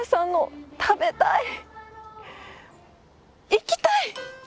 行きたい！